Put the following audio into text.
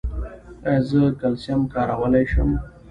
ایا زه کلسیم کارولی شم؟